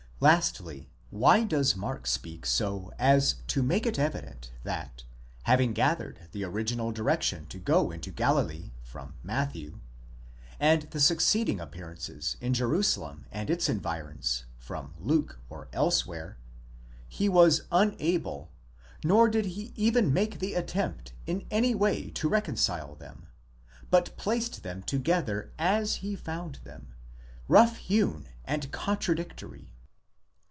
Lastly, why does Mark speak so as to make it evident that, having gathered the original direction to go into Galilee from Matthew, and the succeeding appearances in Jerusalem and its environs from Luke or elsewhere, he was unable, nor did he even make the attempt, in any way to reconcile them ; but placed them together as he found them, rough hewn and contradictory.